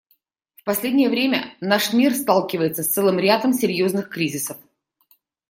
В последнее время наш мир сталкивается с целым рядом серьезных кризисов.